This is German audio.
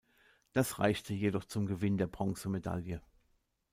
Das reichte jedoch zum Gewinn der Bronzemedaille.